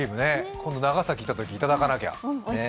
今度長崎行ったときいただかなきゃ。